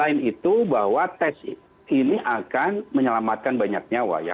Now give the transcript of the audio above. selain itu bahwa tes ini akan menyelamatkan banyak nyawa ya